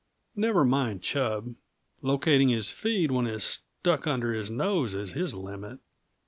Never mind Chub; locating his feed when it's stuck under his nose is his limit."